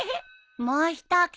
もう一口。